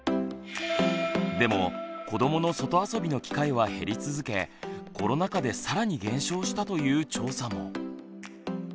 でも子どもの外あそびの機会は減り続けコロナ禍で更に減少したという調査も。